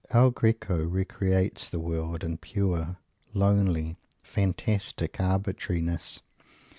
El Greco re creates the world, in pure, lonely, fantastic arbitrariness.